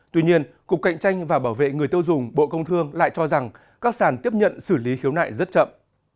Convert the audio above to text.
tuy nhiên cục cạnh tranh và bảo vệ người tiêu dùng bộ công thương lại cho rằng các sản tiếp nhận xử lý khiếu nại rất chậm